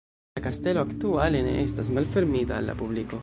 La kastelo aktuale ne estas malfermita al la publiko.